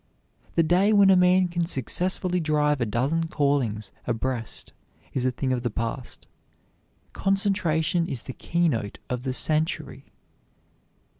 The day when a man can successfully drive a dozen callings abreast is a thing of the past. Concentration is the keynote of the century.